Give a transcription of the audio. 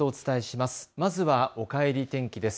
まずはおかえり天気です。